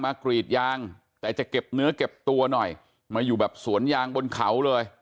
กรีดยางแต่จะเก็บเนื้อเก็บตัวหน่อยมาอยู่แบบสวนยางบนเขาเลย